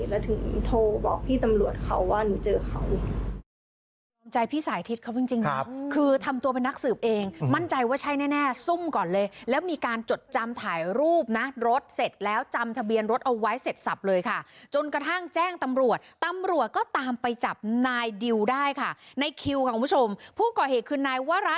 แล้วถึงโทรบอกพี่ตำรวจเขาว่าหนูเจอเขา